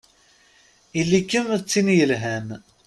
Ili-kem d tin yelhan!